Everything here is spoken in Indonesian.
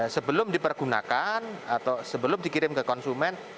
sebelum dipergunakan atau sebelum dikirim ke konsumen